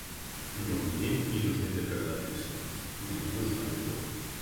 Но мне не нужны доказательства, мне нужна любовь.